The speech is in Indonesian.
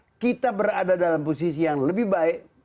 kalau kita berada dalam posisi yang lebih baik